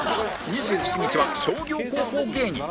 ２７日は商業高校芸人